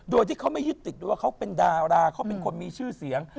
โดยที่เขาไม่ยึดติดด้วยว่าเขาเป็นดาราเขาเป็นคนมีชื่อเสียง